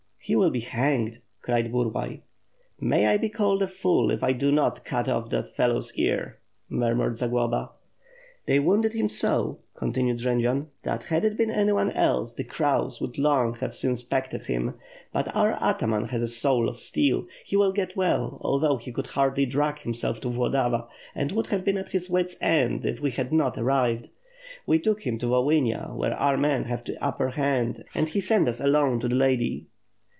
"He will be hanged!" cried Burlay. "May I be called a fool, if I do not cut oflf that fellow's ear," murmured Zagloba. "They wounded him so," continued Jendzian, "that, had it been anyone else, the crows would long since have pecked at him. But our ataman has a soul of steel; he will get well, although he could hardly drag himself to Vlodava and would have been at his wits' end if we had not arrived. We took him to Volhynia where our men have the upper hand and he sent us alone to the lady."